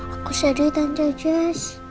aku sedih tante jas